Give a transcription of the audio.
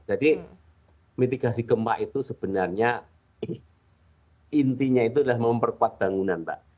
jadi mitigasi gempa itu sebenarnya intinya itu adalah memperkuat bangunan mbak